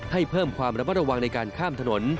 เพิ่มความระมัดระวังในการข้ามถนน